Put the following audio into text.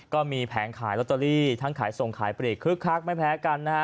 ก็มีแผงขายรอตเตอรี่ทั้งขายส่งขายปฏิริกษัตวิกคักไม่แพ้กันน่ะ